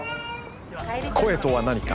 声とは何か？